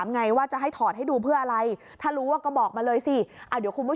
ไม่น่าเกลียดไม่น่าเกลียดไม่น่าเกลียด